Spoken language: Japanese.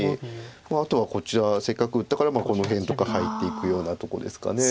あとはこちらせっかく打ったからこの辺とか入っていくようなとこですか。